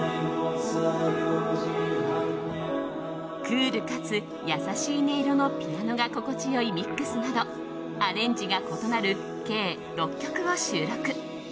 クールかつ優しい音色のピアノが心地良いミックスなどアレンジが異なる計６曲を収録。